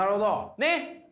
ねっ！